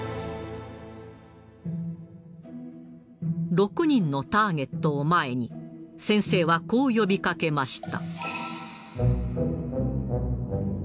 ６人のターゲットを前に先生はこう呼びかけました。